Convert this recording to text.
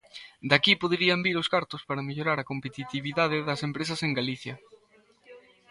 De aquí poderían vir os cartos para mellorar a competitividade das empresas en Galicia.